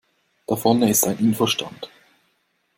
Da vorne ist ein Info-Stand.